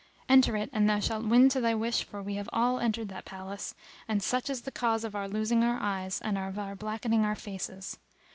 Enter it and thou shalt win to thy wish for we have all entered that palace; and such is the cause of our losing our eyes and of our blackening our faces.